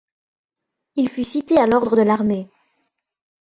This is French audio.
Il fut cité à l'ordre de l'armée.